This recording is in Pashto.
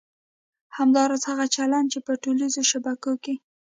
همداراز هغه چلند چې په ټولنیزو شبکو کې